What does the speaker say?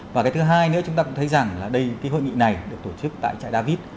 và cái thứ hai nữa chúng ta cũng thấy rằng là cái hội nghị này được tổ chức tại trại david